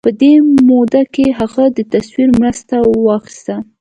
په دې موده کې هغه د تصور مرسته واخيسته.